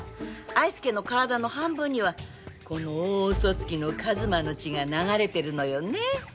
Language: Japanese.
愛介の体の半分にはこの大嘘つきの一馬の血が流れてるのよね。